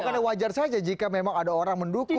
karena wajar saja jika memang ada orang mendukung